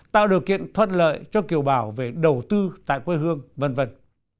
tạo điều kiện thuận lợi cho kiều bào về đầu tư tại quê hương vận động